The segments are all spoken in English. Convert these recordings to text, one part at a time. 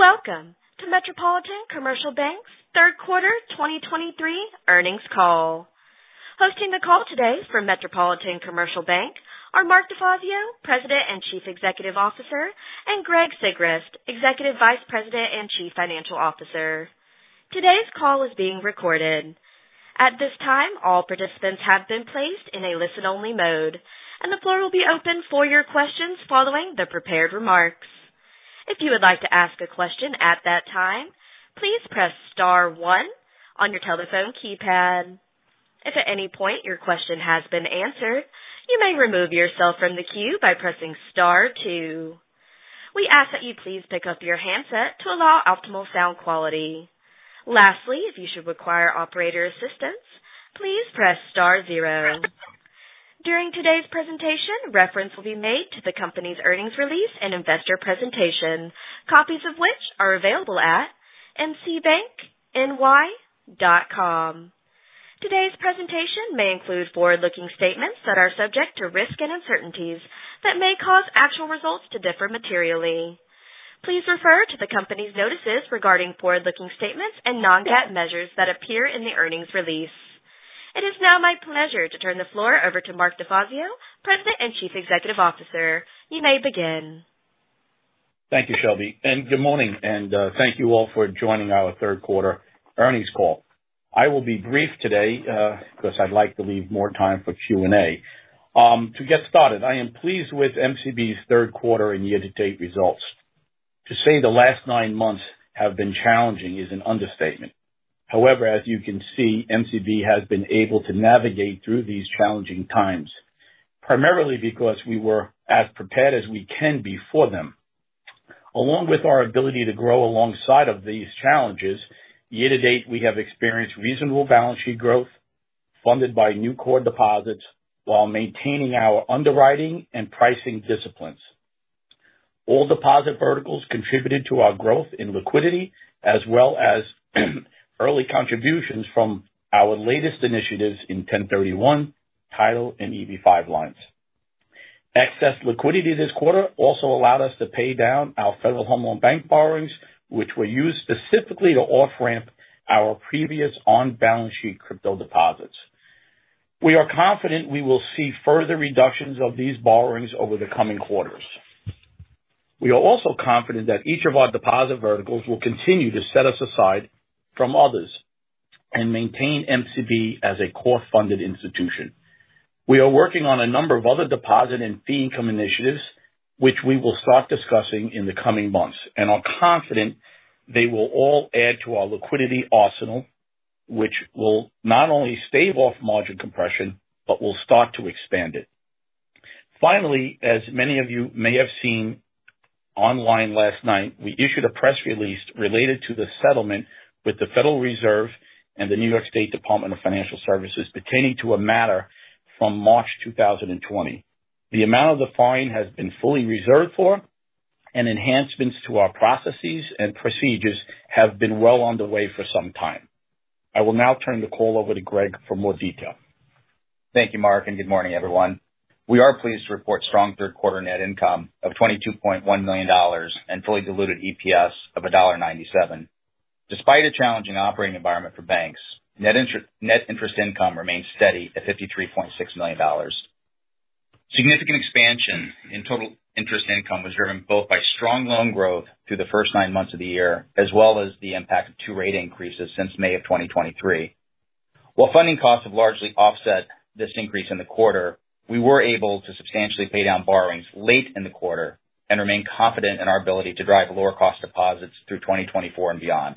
Welcome to Metropolitan Commercial Bank's Q3 2023 earnings call. Hosting the call today for Metropolitan Commercial Bank are Mark DeFazio, President and Chief Executive Officer, and Greg Sigrist, Executive Vice President and Chief Financial Officer. Today's call is being recorded. At this time, all participants have been placed in a listen-only mode, and the floor will be open for your questions following the prepared remarks. If you would like to ask a question at that time, please press star one on your telephone keypad. If at any point your question has been answered, you may remove yourself from the queue by pressing star two. We ask that you please pick up your handset to allow optimal sound quality. Lastly, if you should require operator assistance, please press star zero. During today's presentation, reference will be made to the company's earnings release and investor presentation, copies of which are available at mcbankny.com. Today's presentation may include forward-looking statements that are subject to risk and uncertainties that may cause actual results to differ materially. Please refer to the company's notices regarding forward-looking statements and non-GAAP measures that appear in the earnings release. It is now my pleasure to turn the floor over to Mark DeFazio, President and Chief Executive Officer. You may begin. Thank you, Shelby, and good morning, and thank you all for joining our Q3 earnings call. I will be brief today because I'd like to leave more time for Q&A. To get started, I am pleased with MCB's Q3 and year-to-date results. To say the last nine months have been challenging is an understatement. However, as you can see, MCB has been able to navigate through these challenging times, primarily because we were as prepared as we can be for them. Along with our ability to grow alongside of these challenges, year-to-date, we have experienced reasonable balance sheet growth funded by new core deposits while maintaining our underwriting and pricing disciplines. All deposit verticals contributed to our growth in liquidity, as well as early contributions from our latest initiatives in 1031, Title and EB-5 lines. Excess liquidity this quarter also allowed us to pay down our Federal Home Loan Bank borrowings, which were used specifically to off-ramp our previous on-balance sheet crypto deposits. We are confident we will see further reductions of these borrowings over the coming quarters. We are also confident that each of our deposit verticals will continue to set us aside from others and maintain MCB as a core funded institution. We are working on a number of other deposit and fee income initiatives, which we will start discussing in the coming months, and are confident they will all add to our liquidity arsenal, which will not only stave off margin compression, but will start to expand it. Finally, as many of you may have seen online last night, we issued a press release related to the settlement with the Federal Reserve and the New York State Department of Financial Services pertaining to a matter from March 2020. The amount of the fine has been fully reserved for, and enhancements to our processes and procedures have been well on the way for some time. I will now turn the call over to Greg for more detail. Thank you, Mark, and good morning, everyone. We are pleased to report strong Q3 net income of $22.1 million and fully diluted EPS of $1.97. Despite a challenging operating environment for banks, net interest income remained steady at $53.6 million. Significant expansion in total interest income was driven both by strong loan growth through the first nine months of the year, as well as the impact of two rate increases since May of 2023. While funding costs have largely offset this increase in the quarter, we were able to substantially pay down borrowings late in the quarter and remain confident in our ability to drive lower cost deposits through 2024 and beyond.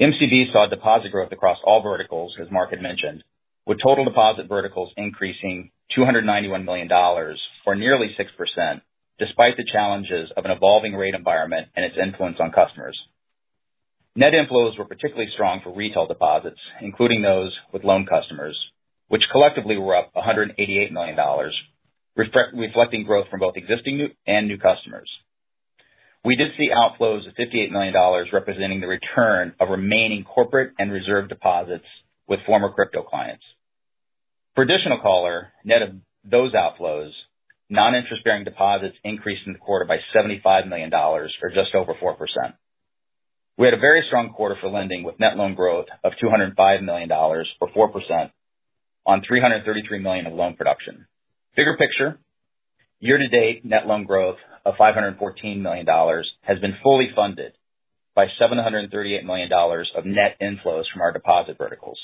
MCB saw deposit growth across all verticals, as Mark had mentioned, with total deposit verticals increasing $291 million, or nearly 6%, despite the challenges of an evolving rate environment and its influence on customers. Net inflows were particularly strong for retail deposits, including those with loan customers, which collectively were up $188 million, reflecting growth from both existing new and new customers. We did see outflows of $58 million, representing the return of remaining corporate and reserve deposits with former crypto clients. For additional color, net of those outflows, non-interest-bearing deposits increased in the quarter by $75 million, or just over 4%. We had a very strong quarter for lending, with net loan growth of $205 million, or 4% on $333 million of loan production. Bigger picture, year-to-date, net loan growth of $514 million has been fully funded by $738 million of net inflows from our deposit verticals.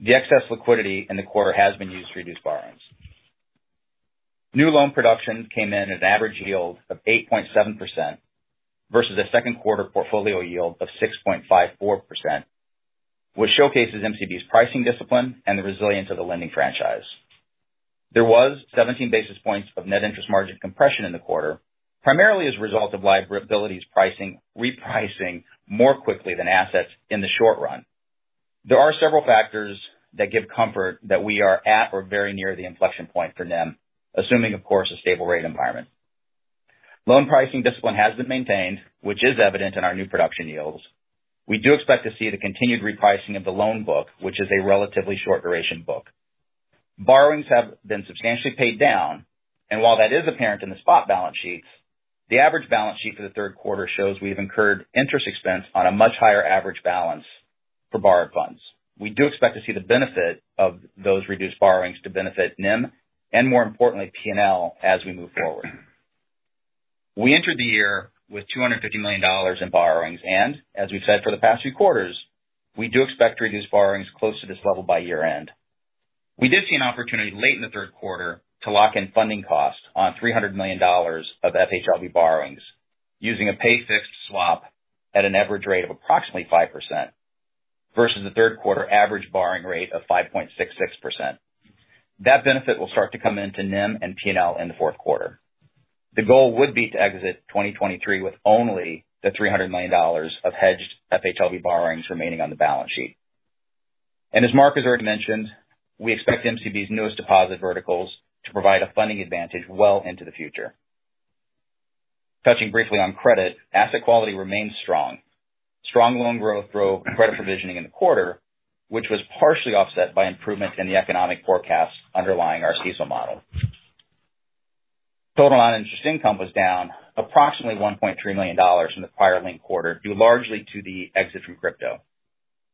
The excess liquidity in the quarter has been used to reduce borrowings. New loan production came in at an average yield of 8.7% versus a Q2 portfolio yield of 6.54%, which showcases MCB's pricing discipline and the resilience of the lending franchise. There was 17 basis points of net interest margin compression in the quarter, primarily as a result of liabilities repricing more quickly than assets in the short run. There are several factors that give comfort that we are at, or very near the inflection point for NIM, assuming, of course, a stable rate environment. Loan pricing discipline has been maintained, which is evident in our new production yields. We do expect to see the continued repricing of the loan book, which is a relatively short duration book. Borrowings have been substantially paid down, and while that is apparent in the spot balance sheets, the average balance sheet for the Q3 shows we've incurred interest expense on a much higher average balance for borrowed funds. We do expect to see the benefit of those reduced borrowings to benefit NIM and more importantly, P&L as we move forward. We entered the year with $250 million in borrowings, and as we've said for the past few quarters, we do expect to reduce borrowings close to this level by year-end. We did see an opportunity late in the Q3 to lock in funding costs on $300 million of FHLB borrowings, using a pay-fixed swap at an average rate of approximately 5% versus the Q3 average borrowing rate of 5.66%. That benefit will start to come into NIM and P&L. in the Q4. The goal would be to exit 2023 with only the $300 million of hedged FHLB borrowings remaining on the balance sheet. As Mark has already mentioned, we expect MCB's newest deposit verticals to provide a funding advantage well into the future. Touching briefly on credit, asset quality remains strong. Strong loan growth drove credit provisioning in the quarter, which was partially offset by improvement in the economic forecast underlying our CECL model. Total non-interest income was down approximately $1.3 million from the prior linked quarter, due largely to the exit from crypto.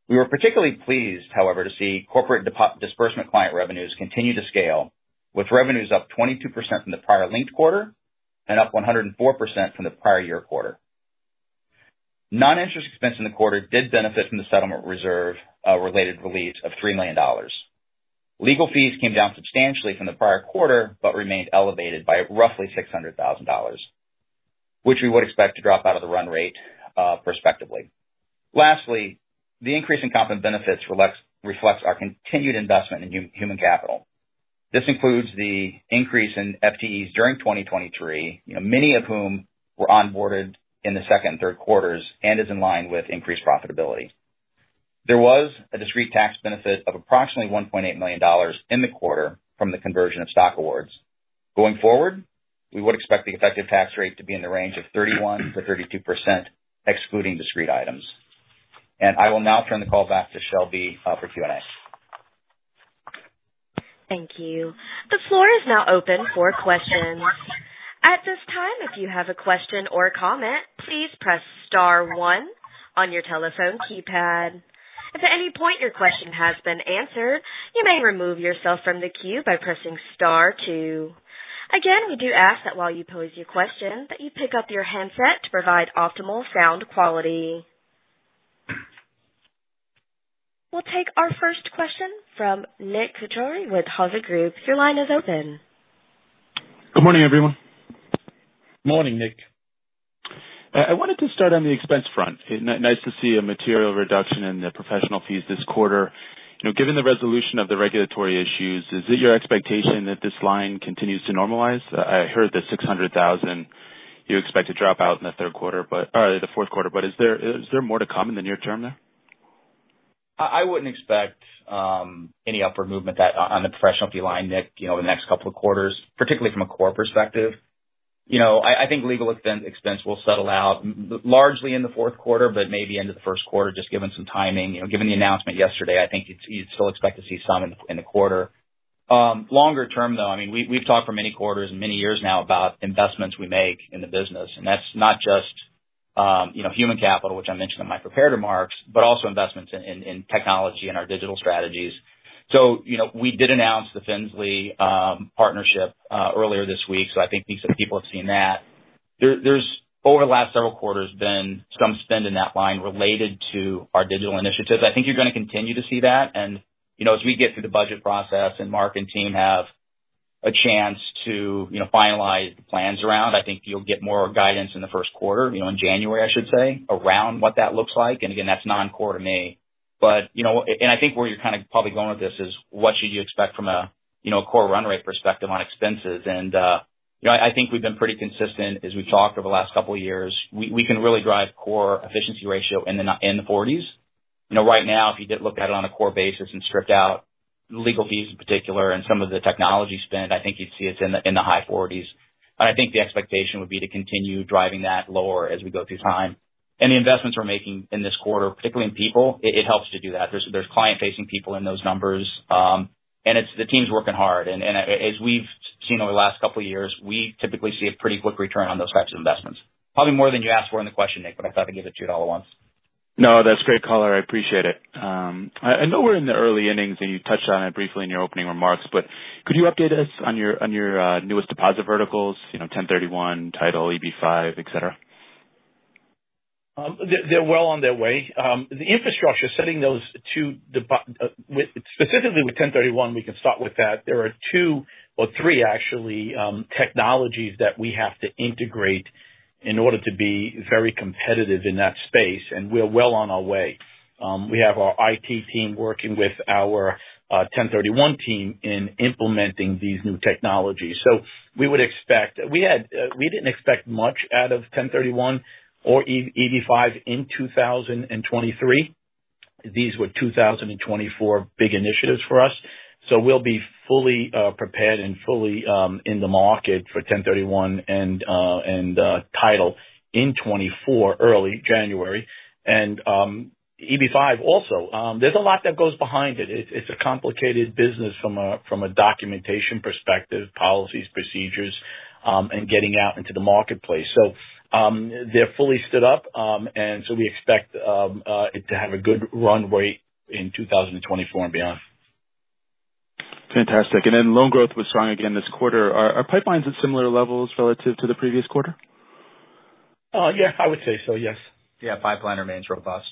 We were particularly pleased, however, to see corporate disbursement client revenues continue to scale, with revenues up 22% from the prior linked quarter and up 104% from the prior year quarter. Non-interest expense in the quarter did benefit from the settlement reserve related release of $3 million. Legal fees came down substantially from the prior quarter, but remained elevated by roughly $600,000, which we would expect to drop out of the run rate prospectively. Lastly, the increase in compensation benefits reflects our continued investment in human capital. as words." So "second and Q3" is correct. *Wait, "you know":* Is there any other way to format it? Rule: "Preserve meaningful conversational fillers that maintain authentic communication: 'you know,' 'I mean,' 'actually,' 'well.'" So "you know" is correct. *Wait, "uh":* Is there any other way to format it? Rule: "ONLY REMOVE distracting fillers and stutters: 'um,' 'uh,' an Thank you. The floor is now open for questions. At this time, if you have a question or a comment, please press star one on your telephone keypad. If at any point your question has been answered, you may remove yourself from the queue by pressing star two. Again, we do ask that while you pose your question, that you pick up your handset to provide optimal sound quality. We'll take our first question from Nick Kuljurgis with Hovde Group. Your line is open. Good morning, everyone. Morning, Nick. I wanted to start on the expense front. Nice to see a material reduction in the professional fees this quarter. You know, given the resolution of the regulatory issues, is it your expectation that this line continues to normalize? I heard the $600,000 you expect to drop out in the Q3, but or the Q4, but is there more to come in the near term there? I wouldn't expect any upward movement that, on the professional fee line, Nick, you know, the next couple of quarters, particularly from a core perspective. You know, I think legal expense will settle out largely in the Q4, but maybe into the Q1, just given some timing. You know, given the announcement yesterday, I think you'd still expect to see some in the quarter. Longer term, though, I mean, we've talked for many quarters and many years now about investments we make in the business. That's not just, you know, human capital, which I mentioned in my prepared remarks, but also investments in technology and our digital strategies. You know, we did announce the Finzly partnership earlier this week, so I think some people have seen that. There's over the last several quarters been some spend in that line related to our digital initiatives. I think you're going to continue to see that. You know, as we get through the budget process and Mark and team have a chance to, you know, finalize the plans around, I think you'll get more guidance in the Q1, you know, in January, I should say, around what that looks like. Again, that's non-core to me. You know, and I think where you're kind of probably going with this is what should you expect from a, you know, core run rate perspective on expenses. You know, I think we've been pretty consistent as we've talked over the last couple of years. We can really drive core efficiency ratio in the 40s. You know, right now, if you did look at it on a core basis and stripped out legal fees in particular and some of the technology spend, I think you'd see it's in the high 40s. I think the expectation would be to continue driving that lower as we go through time. The investments we're making in this quarter, particularly in people, it helps to do that. There's client-facing people in those numbers, and the team's working hard. As we've seen over the last couple of years, we typically see a pretty quick return on those types of investments. Probably more than you asked for in the question, Nick, but I thought I'd give it to you all at once. No, that's great color. I appreciate it. I know we're in the early innings, and you touched on it briefly in your opening remarks, but could you update us on your newest deposit verticals, you know, 1031, Title, EB-5, et cetera? They're well on their way. The infrastructure, setting those two, specifically with 1031, we can start with that. There are two or three actually technologies that we have to integrate in order to be very competitive in that space, and we're well on our way. We have our I.T. team working with our 1031 team in implementing these new technologies. We didn't expect much out of 1031 or EB-5 in 2023. These were 2024 big initiatives for us. We'll be fully prepared and fully in the market for 1031 and Title in 2024, early January. EB-5 also. There's a lot that goes behind it. It's a complicated business from a documentation perspective, policies, procedures, and getting out into the marketplace. They're fully stood up. So we expect it to have a good runway in 2024 and beyond. Fantastic. Loan growth was strong again this quarter. Are pipelines at similar levels relative to the previous quarter? Yeah, I would say so. Yes. Yeah. Pipeline remains robust.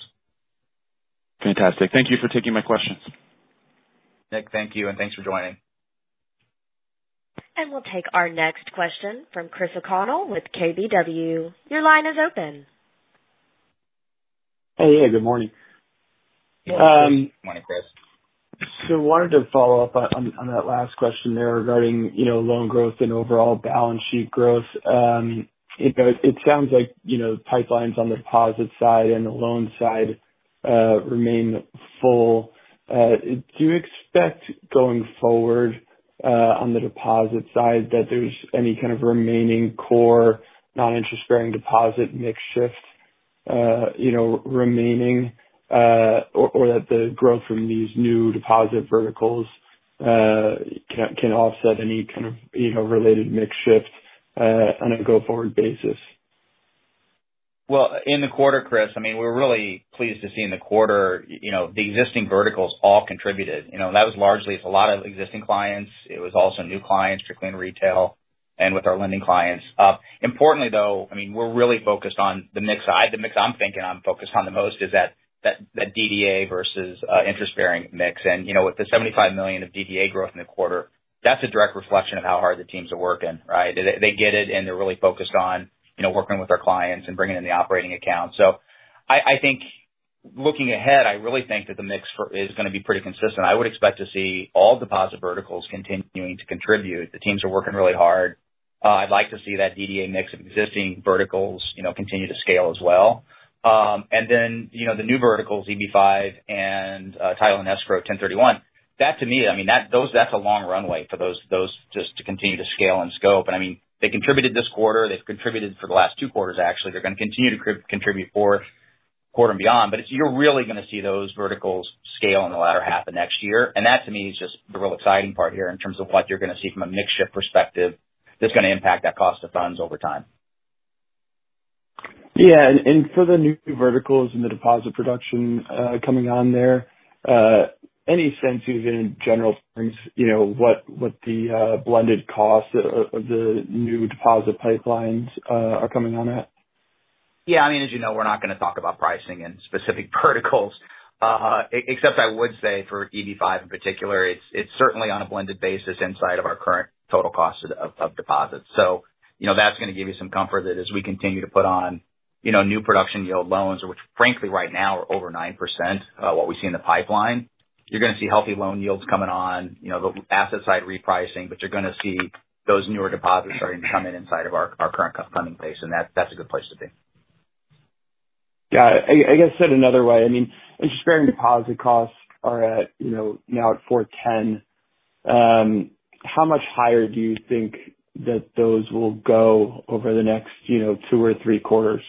Fantastic. Thank you for taking my questions. Nick, thank you, and thanks for joining. We'll take our next question from Chris O'Connell with KBW. Your line is open. Hey, good morning. Morning, Chris. Wanted to follow up on that last question there regarding, you know, loan growth and overall balance sheet growth. It sounds like, you know, the pipeline's on the deposit side and the loan side remain full. Do you expect going forward on the deposit side that there's any kind of remaining core non-interest-bearing deposit mix shift, you know, remaining, or that the growth from these new deposit verticals can offset any kind of, you know, related mix shift on a go-forward basis? Well, in the quarter, Chris, I mean, we're really pleased to see in the quarter, you know, the existing verticals all contributed. You know, that was largely it's a lot of existing clients. It was also new clients through clean retail and with our lending clients. Importantly, though, I mean, we're really focused on the mix side. The mix I'm thinking on focused on the most is that DDA versus interest-bearing mix. You know, with the $75 million of DDA growth in the quarter, that's a direct reflection of how hard the teams are working, right? They get it, and they're really focused on, you know, working with our clients and bringing in the operating accounts. I think looking ahead, I really think that the mix is going to be pretty consistent. I would expect to see all deposit verticals continuing to contribute. The teams are working really hard. I'd like to see that DDA mix of existing verticals, you know, continue to scale as well. You know, the new verticals, EB-5 and Title and Escrow 1031, that to me, I mean, that's a long runway for those just to continue to scale and scope. I mean, they contributed this quarter. They've contributed for the last two quarters, actually. They're going to continue to contribute Q4 and beyond. But you're really going to see those verticals scale in the latter half of next year. That, to me, is just the real exciting part here in terms of what you're going to see from a mix shift perspective. That's going to impact that cost of funds over time. Yeah. For the new verticals and the deposit production coming on there, any sense, even in general terms, you know, what the blended cost of the new deposit pipelines are coming on at? cost of deposits. You know, that's going to give you some comfort that as we continue to put on, you know, new production yield loans, which frankly, right now are over 9%, what we see in the pipeline, you're going to see healthy loan yields coming on, you know, the asset side repricing. You're going to see those newer deposits starting to come in inside of our current funding base, and that's a good place to be." Wait, "ED5" in the original. "Uh, e- except I would say for ED5 in particular..." If I change "ED5" to "EB-5", I am correcting a phonetic error. If I change "nine percent" to "9%", I am following the number and percent rules. If I remove "Uh, e-", "of, of, of", "So", "uh", "But", "our, our", "cu-", "that's, that's", I am following the filler/stutter/starter conjunction rules. If I keep "Yeah, I mean, as you know", "you know", "frankly", I am following the meaningful filler rule. Wait Yeah. I guess said another way, I mean, interest-bearing deposit costs are at, you know, now at 4.10. How much higher do you think that those will go over the next, you know, two or three quarters?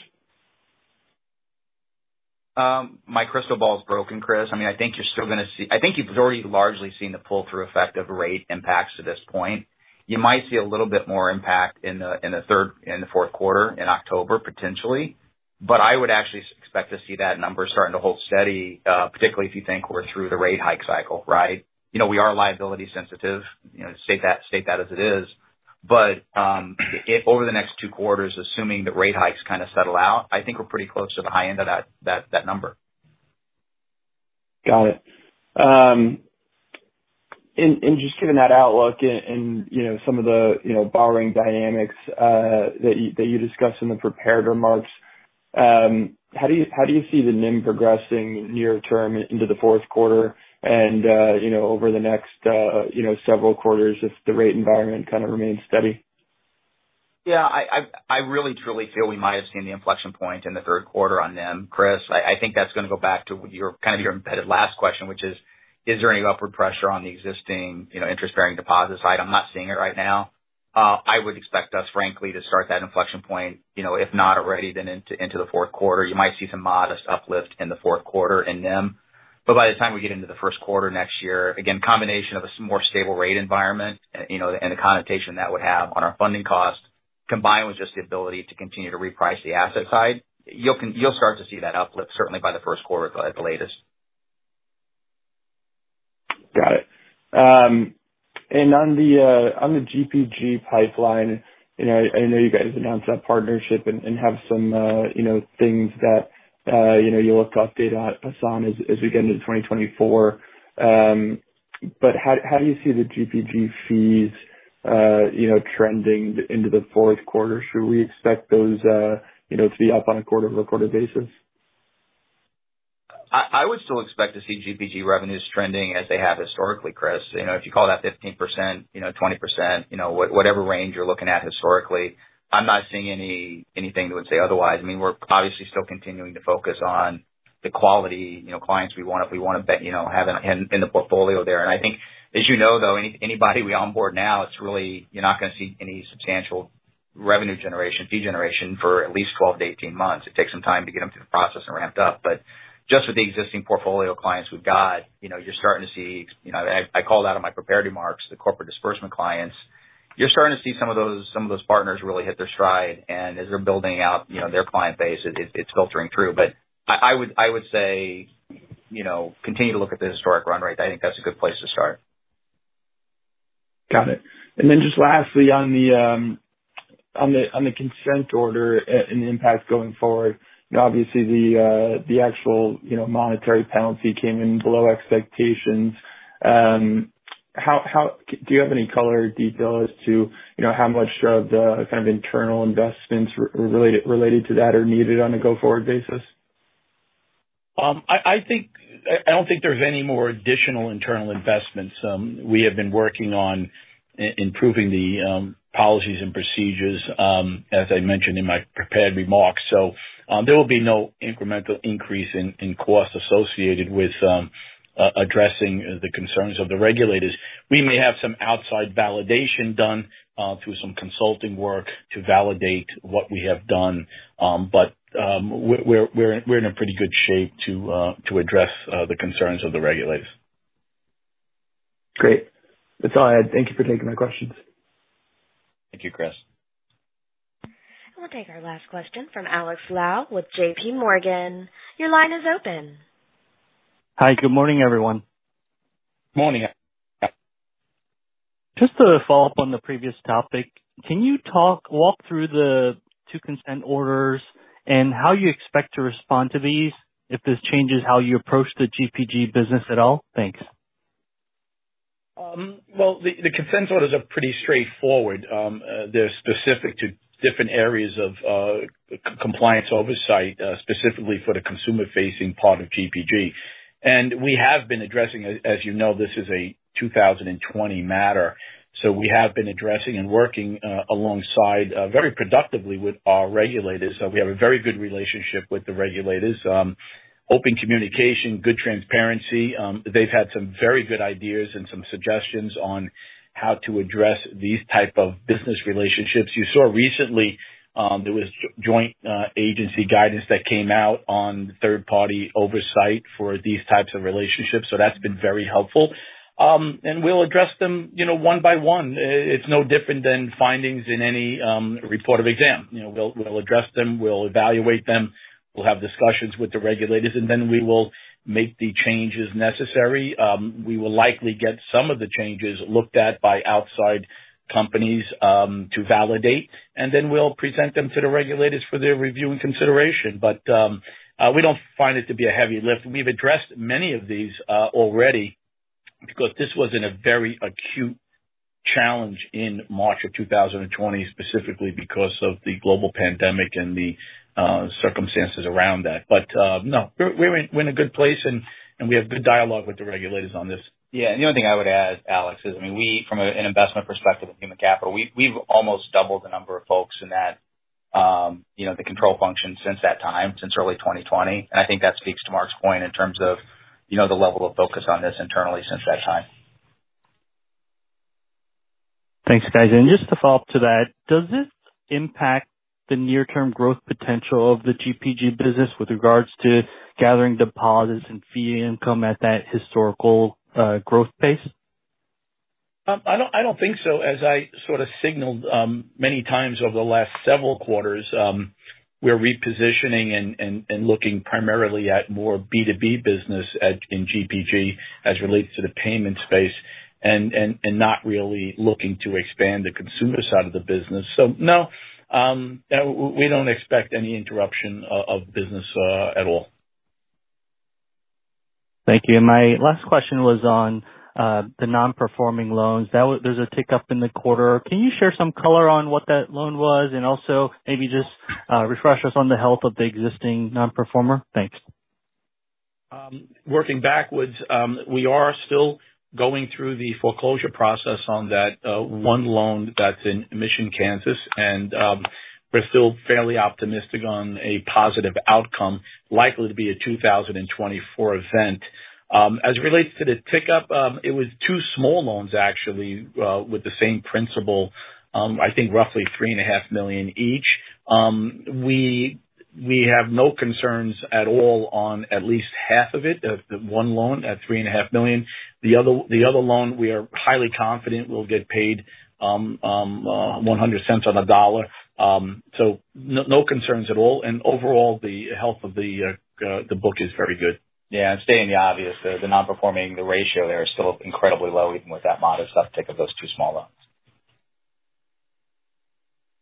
My crystal ball's broken, Chris. I mean, I think you've already largely seen the pull-through effect of rate impacts to this point. You might see a little bit more impact in the third, in the Q4, in October, potentially. I would actually expect to see that number starting to hold steady, particularly if you think we're through the rate hike cycle, right? You know, we are liability sensitive, you know, state that as it is. If over the next two quarters, assuming the rate hikes kind of settle out, I think we're pretty close to the high end of that number. Got it. Just given that outlook and, you know, some of the, you know, borrowing dynamics that you discussed in the prepared remarks, how do you see the NIM progressing near term into the Q4 and, you know, over the next, you know, several quarters if the rate environment kind of remains steady? Yeah, I really truly feel we might have seen the inflection point in the Q3 on NIM, Chris. I think that's going to go back to kind of your embedded last question, which is: Is there any upward pressure on the existing, you know, interest-bearing deposit side? I'm not seeing it right now. I would expect us, frankly, to start that inflection point, you know, if not already, then into the Q4. You might see some modest uplift in the Q4 in NIM. By the time we get into the Q1 next year, again, combination of a more stable rate environment, you know, and the connotation that would have on our funding cost, combined with just the ability to continue to reprice the asset side, you'll start to see that uplift certainly by the Q1 at the latest. Got it. On the GPG pipeline, you know, I know you guys announced that partnership and have some, you know, things that, you know, you'll update us on as we get into 2024. How do you see the GPG fees, you know, trending into the Q4? Should we expect those, you know, to be up on a quarter-over-quarter basis? I would still expect to see GPG revenues trending as they have historically, Chris. You know, if you call that 15%, you know, 20%, you know, whatever range you're looking at historically, I'm not seeing anything that would say otherwise. I mean, we're obviously still continuing to focus on the quality, you know, clients we want, you know, have in the portfolio there. I think, as you know, though, anybody we onboard now, it's really, you're not going to see any substantial revenue generation, fee generation for at least 12-18 months. It takes some time to get them through the process and ramped up. But just with the existing portfolio clients we've got, you know, you're starting to see, you know, I called out on my prepared remarks, the corporate disbursement clients. You're starting to see some of those partners really hit their stride, and as they're building out, you know, their client base, it's filtering through. I would say, you know, continue to look at the historic run rate. I think that's a good place to start. Got it. Just lastly, on the consent order and the impact going forward, you know, obviously the actual, you know, monetary penalty came in below expectations. Do you have any color or detail as to, you know, how much of the kind of internal investments related to that are needed on a go-forward basis? I don't think there's any more additional internal investments. We have been working on improving the policies and procedures, as I mentioned in my prepared remarks. There will be no incremental increase in costs associated with addressing the concerns of the regulators. We may have some outside validation done through some consulting work to validate what we have done. We're in a pretty good shape to address the concerns of the regulators. Great. That's all I had. Thank you for taking my questions. Thank you, Chris. We'll take our last question from Alex Lau with JP Morgan. Your line is open. Hi. Good morning, everyone. Morning. Just to follow up on the previous topic, can you walk through the two consent orders and how you expect to respond to these, if this changes how you approach the GPG business at all? Thanks. Well, the consent orders are pretty straightforward. They're specific to different areas of compliance oversight, specifically for the consumer-facing part of GPG. We have been addressing as, you know, this is a 2020 matter, so we have been addressing and working alongside very productively with our regulators. We have a very good relationship with the regulators. Open communication, good transparency. They've had some very good ideas and some suggestions on how to address these type of business relationships. You saw recently, there was joint agency guidance that came out on third-party oversight for these types of relationships, so that's been very helpful. We'll address them, you know, one by one. It's no different than findings in any report of exam. You know, we'll address them, we'll evaluate them, we'll have discussions with the regulators, and then we will make the changes necessary. We will likely get some of the changes looked at by outside companies to validate, and then we'll present them to the regulators for their review and consideration. We don't find it to be a heavy lift. We've addressed many of these already, because this wasn't a very acute challenge in March of 2020, specifically because of the global pandemic and the circumstances around that. No, we're in a good place, and we have good dialogue with the regulators on this. Yeah, the only thing I would add, Alex, is, I mean, we from an investment perspective at Human Capital, we've almost doubled the number of folks in that, you know, the control function since that time, since early 2020. I think that speaks to Mark's point in terms of, you know, the level of focus on this internally since that time. Thanks, guys. Just to follow up to that, does this impact the near-term growth potential of the GPG business with regards to gathering deposits and fee income at that historical growth pace? I don't think so. As I sort of signaled many times over the last several quarters, we're repositioning and looking primarily at more B2B business in GPG as it relates to the payment space and not really looking to expand the consumer side of the business. No, we don't expect any interruption of business at all. Thank you. My last question was on the non-performing loans. There's a tick up in the quarter. Can you share some color on what that loan was? Also maybe just refresh us on the health of the existing non-performer. Thanks. Working backwards, we are still going through the foreclosure process on that one loan that's in Mission, Kansas. We're still fairly optimistic on a positive outcome, likely to be a 2024 event. As it relates to the tick-up, it was two small loans actually with the same principal, I think roughly $3.5 million each. We have no concerns at all on at least half of it of one loan at $3.5 million. The other loan, we are highly confident we'll get paid 100 cents on the dollar. No concerns at all. Overall, the health of the book is very good. Yeah, and staying in the obvious, the non-performing, the ratio there is still incredibly low, even with that modest uptick of those two small loans.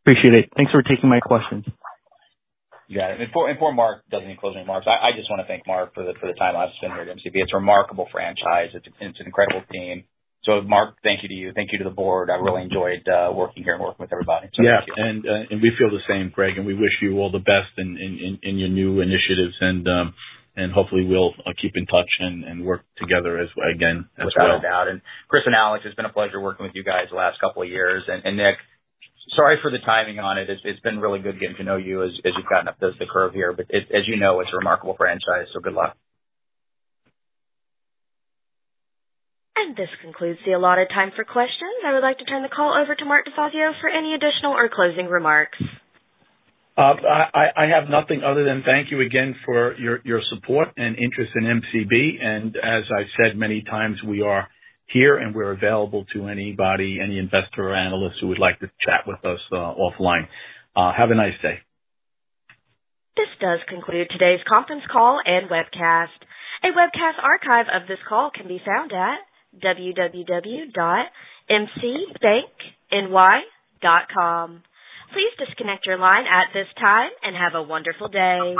Appreciate it. Thanks for taking my questions. Yeah. Before Mark does any closing remarks, I just want to thank Mark for the time I've spent here at MCB. It's a remarkable franchise. It's an incredible team. Mark, thank you to you, thank you to the board. I really enjoyed working here and working with everybody. Yeah, we feel the same, Greg, and we wish you all the best in your new initiatives, and hopefully we'll keep in touch and work together as well, again, as well. Without a doubt. Chris and Alex, it's been a pleasure working with you guys the last couple of years. Nick, sorry for the timing on it. It's been really good getting to know you as you've gotten up the curve here. As you know, it's a remarkable franchise, so good luck. This concludes the allotted time for questions. I would like to turn the call over to Mark DeFazio for any additional or closing remarks. I have nothing other than thank you again for your support and interest in MCB. As I've said many times, we are here, and we're available to anybody, any investor or analyst who would like to chat with us offline. Have a nice day. This does conclude today's conference call and webcast. A webcast archive of this call can be found at www.mcbankny.com. Please disconnect your line at this time and have a wonderful day.